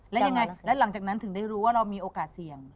แล้วยังไงแล้วหลังจากนั้นถึงได้รู้ว่าเรามีโอกาสเสี่ยง